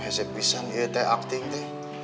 hesek bisa nih ya teh acting tuh